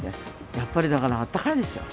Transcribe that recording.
やっぱりだから、あったかいでしょう。